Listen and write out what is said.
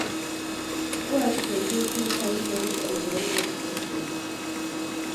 It was produced in high-nose and low-nose versions.